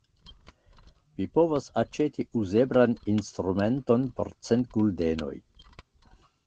Vi povos aĉeti uzeblan instrumenton por cent guldenoj.